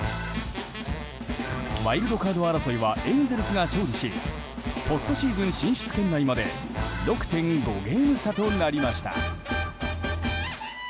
ワイルドカード争いはエンゼルスが勝利しポストシーズン進出圏内まで６．５ゲーム差となりました。